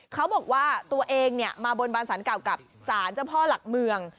เขาบอกว่าตัวเองมาบนบานสารเก่ากับสารเจ้าพ่อหลักเมือง